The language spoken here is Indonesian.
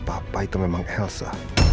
papa itu memang elsa